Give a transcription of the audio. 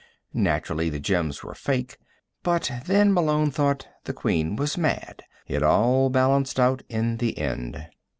Naturally, the gems were fake. But then, Malone thought, the Queen was mad. It all balanced out in the end.